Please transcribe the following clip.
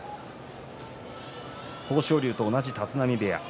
豊昇龍と同じ立浪部屋。